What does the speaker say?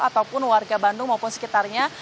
ataupun warga bandung maupun sekitarnya